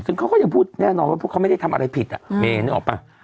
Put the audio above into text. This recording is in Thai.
ซึ่งเขาก็ยังพูดแน่นอนว่าพวกเขาไม่ได้ทำอะไรผิดอ่ะเมย์นึกออกป่ะ